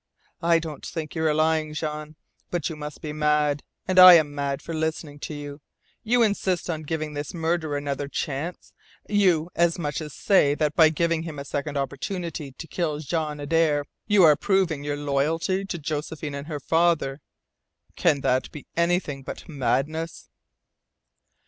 "I don't think you are lying, Jean. But you must be mad. And I am mad for listening to you. You insist on giving this murderer another chance. You as much as say that by giving him a second opportunity to kill John Adare you are proving your loyalty to Josephine and her father. Can that be anything but madness?"